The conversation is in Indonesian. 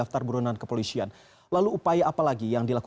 terima kasih pak